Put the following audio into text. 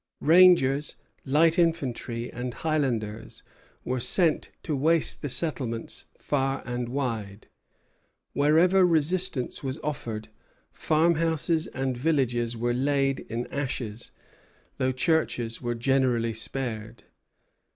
Rangers, light infantry, and Highlanders were sent to waste the settlements far and wide. Wherever resistance was offered, farmhouses and villages were laid in ashes, though churches were generally spared.